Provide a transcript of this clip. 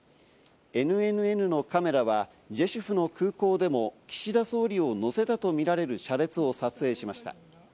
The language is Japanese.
ＮＮＮのカメラはジェシュフの空港でも岸田総理を乗せたとみられる車列を撮影しました。